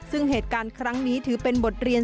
ซึ่งเหตุการณ์ครั้งนี้ถือเป็นบทเรียน